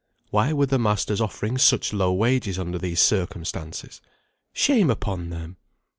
Why were the masters offering such low wages under these circumstances? Shame upon them!